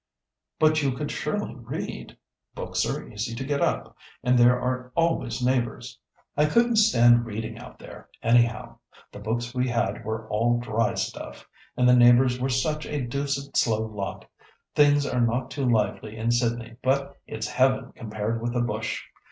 "But you could surely read! Books are easy to get up, and there are always neighbours." "I couldn't stand reading out there, anyhow; the books we had were all dry stuff, and the neighbours were such a deuced slow lot. Things are not too lively in Sydney, but it's heaven compared with the bush.